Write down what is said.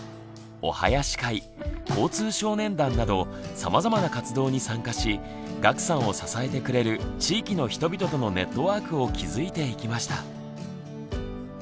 お囃子会交通少年団などさまざまな活動に参加し岳さんを支えてくれる地域の人々とのネットワークを築いていきました。